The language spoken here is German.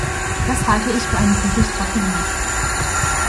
Das halte ich für eine gute Strategie.